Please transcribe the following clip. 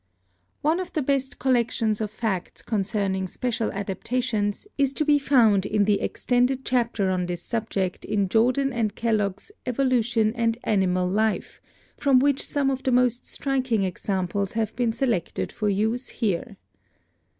One of the best collections of facts concerning special adaptations is to be found in the extended chapter on this subject in Jordan and Kellog's 'Evolution and Animal Life,' from which some of the most striking examples have been selected for use here.